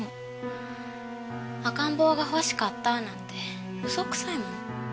赤ん坊が欲しかったなんて嘘くさいもん。